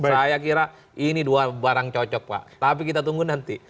saya kira ini dua barang cocok pak tapi kita tunggu nanti